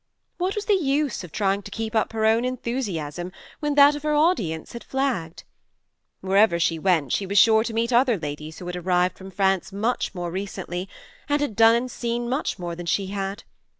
What was the use of trying to keep up her own enthusiasm when that of her audience had flagged? Wherever she went she was sure to meet other ladies who had arrived from France much more recently, and had done and seen much more than she had.